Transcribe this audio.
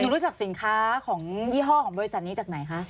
รู้จักสินค้าของยี่ห้อของบริษัทนี้จากไหนคะ